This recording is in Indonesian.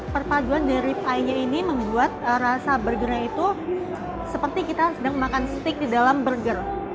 perpaduan dari ripy nya ini membuat rasa burgernya itu seperti kita sedang makan steak di dalam burger